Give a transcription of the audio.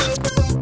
wah keren banget